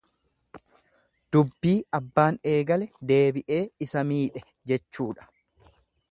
Dubbii abbaan eegale deebi'ee isa miidhe jechuudha.